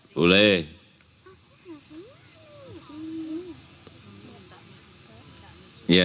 aku seorang kapitan